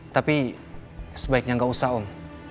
tapi sebaiknya gak usah om